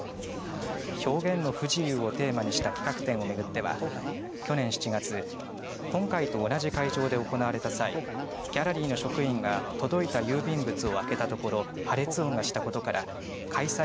表現の不自由をテーマにした企画展を巡っては去年７月今回と同じ会場で行われた際ギャラリーの職員が届いた郵便物を開けたところ破裂音がしたことから開催